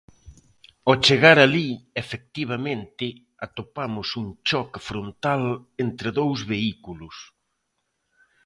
Ao chegar alí, efectivamente atopamos un choque frontal entre dous vehículos.